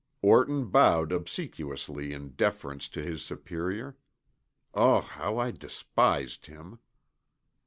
Orton bowed obsequiously in deference to his superior. Ugh, how I despised him!